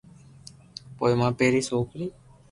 پوءِ مان پهرين سوڪري